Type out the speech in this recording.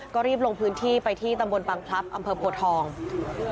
ก็รีบลงพื้นที่ไปที่ตำบลป๋างพลับอโพธทองน์